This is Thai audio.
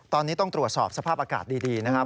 ตอนนี้ต้องตรวจสอบสภาพอากาศดีนะครับ